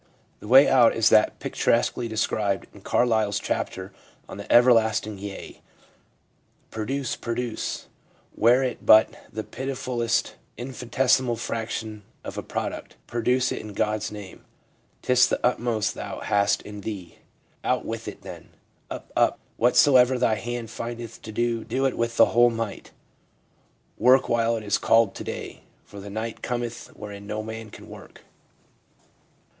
The way out is that pictur esquely described in Carlyle's chapter on the ' Everlast ing Yea': * Produce ! produce! Were it but the piti fulest infinitesimal fraction of a product, produce it in God's name. 'Tis the utmost thou hast in thee ; out with it then. Up ! up !" Whatsoever thy hand findeth to do, do it with thy whole might." " Work while it is called to day, for the night cometh wherein no man can work.'"